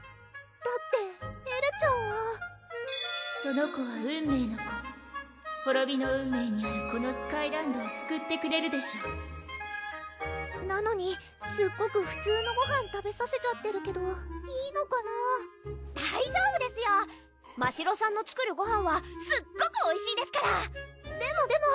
だってエルちゃんはその子は「運命の子」ほろびの運命にあるこのスカイランドをすくってくれるでしょうなのにすっごく普通のごはん食べさせちゃってるけどいいのかな？大丈夫ですよましろさんの作るごはんはすっごくおいしいですからでもでも！